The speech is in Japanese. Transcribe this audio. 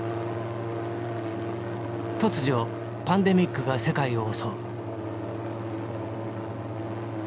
突如パンデミックが世界を襲う。